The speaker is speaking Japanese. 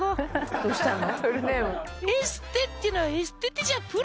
どうしたの？